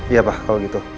iya pak kalau gitu